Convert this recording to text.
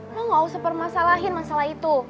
lo ga usah permasalahin masalah itu